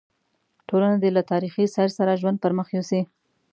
ټولنه دې له تاریخي سیر سره ژوند پر مخ یوسي.